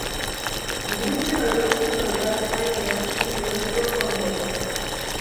Buitre logró derrotar a Spider-Man y dejarlo por muerto.